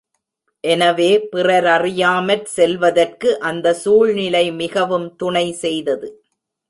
எனவே பிறரறியாமற் செல்வதற்கு அந்தச் சூழ்நிலை மிகவும் துணை செய்தது.